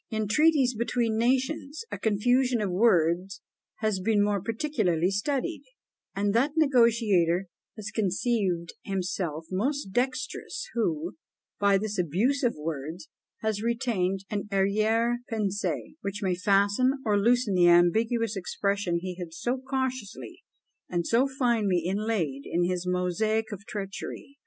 In treaties between nations, a "confusion of words" has been more particularly studied; and that negotiator has conceived himself most dexterous who, by this abuse of words, has retained an arrière pensée which may fasten or loosen the ambiguous expression he had so cautiously and so finely inlaid in his mosaic of treachery.